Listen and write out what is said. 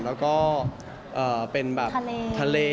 แล้วก็เป็นแบบทะเล